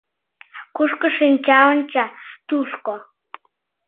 Кушко шинча онча, тушко...